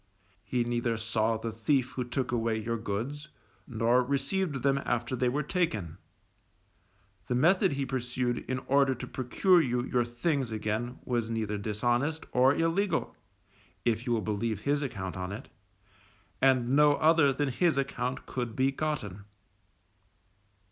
He neither saw the thief who took away your goods, nor received them after they were taken; the method he pursued in order to procure you your things again was neither dishonest or illegal, if you will believe his account on it, and no other than his account could be gotten.